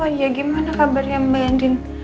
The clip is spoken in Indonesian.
wah iya gimana kabarnya mbak yandin